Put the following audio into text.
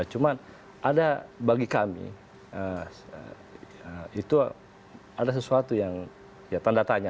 cuma ada bagi kami itu ada sesuatu yang ya tanda tanya